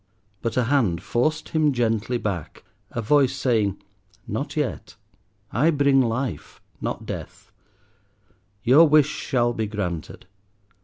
But a hand forced him gently back, a voice saying, "Not yet; I bring life, not death. Your wish shall be granted.